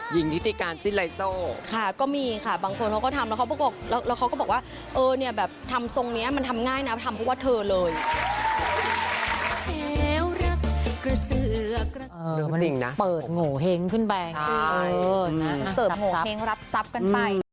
หญิงทิศติกาณส์ซินไล